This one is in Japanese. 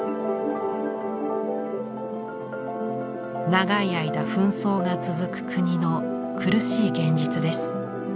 長い間紛争が続く国の苦しい現実です。